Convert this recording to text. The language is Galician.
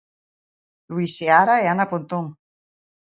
Luís Seara e Ana Pontón.